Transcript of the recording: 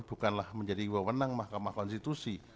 bukanlah menjadi wawonang mahkamah konstitusi